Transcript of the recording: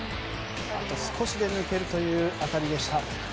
あと少しで抜けるという当たりでした。